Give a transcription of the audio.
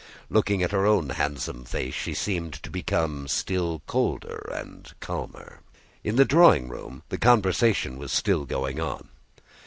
Looking at her own handsome face she seemed to become still colder and calmer. In the drawing room the conversation was still going on.